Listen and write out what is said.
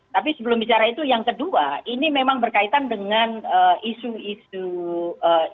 tapi sebelum bicara itu yang kedua ini memang berkaitan dengan isu isu